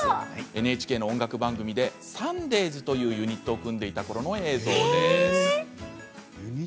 ＮＨＫの番組でサンデーズというユニットを組んでいたころの映像です。